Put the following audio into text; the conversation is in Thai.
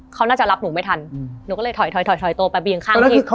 เขาน่าจะรับหนูไม่ทันหนูก็เลยถอยโตไปยืนข้างอีก